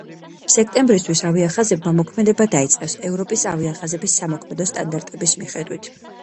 სექტემბრისთვის ავიახაზებმა მოქმედება დაიწყეს ევროპის ავიახაზების სამოქმედო სტანდარტების მიხედვით.